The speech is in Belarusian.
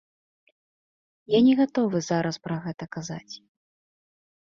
Я не гатовы зараз пра гэта казаць.